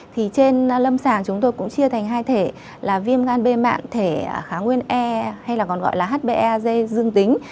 trên lâm sàng chúng tôi cũng chia thành hai thể là viêm gan b mạng thể kháng nguyên e hay còn gọi là hbe ag dương tính